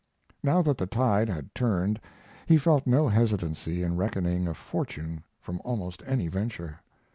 Now that the tide had turned he felt no hesitancy in reckoning a fortune from almost any venture.